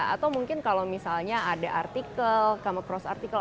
atau mungkin kalau misalnya ada artikel come across artikel